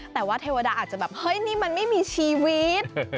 แต่ว่าเทวดาอาจจะแบบเฮ้ยนี่มันไม่มีชีวิต